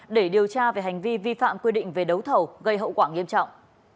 để điều tra về hành vi vi phạm quy định về đấu thầu gây hậu quả nghiêm trọng